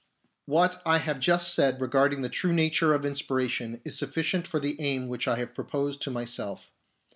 What I have just said regarding the true nature of inspiration is sufficient for the aim which I have proposed to myself.